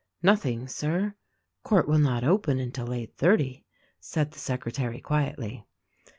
"Nothing, Sir. Court will not open 'until eight thirty," said the secretary quietly.